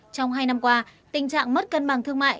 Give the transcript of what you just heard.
trong hai năm qua tình trạng mất cân bằng thương mại